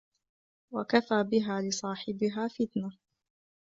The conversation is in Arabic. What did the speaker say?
وَكَفَى بِهَا لِصَاحِبِهَا فِتْنَةً